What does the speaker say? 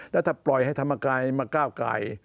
แล้วถ้าปล่อยให้ธรรมกายมาก้าวไก่